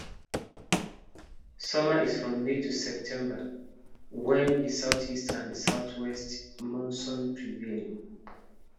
Summer is from May to September, when the southeast and southwest monsoon prevailing.